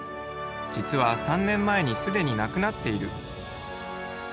実は３年前に既になくなっている。